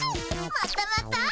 またまた。